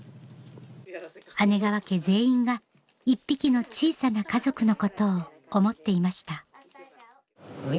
姉川家全員が一匹の小さな家族のことを思っていました